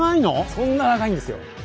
そんな長いんですよ。